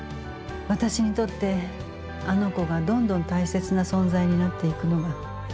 私にとってあの子がどんどん大切な存在になっていくのが。